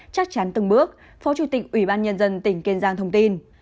chắc chắn từng bước phó chủ tịch ủy ban nhân dân tỉnh kiên giang thông tin